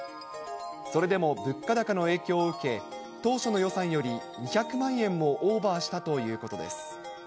それでも物価高の影響を受け、当初の予算より２００万円もオーバーしたということです。